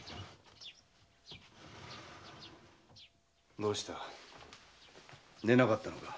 どうした寝なかったのか？